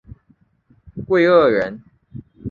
桂萼人。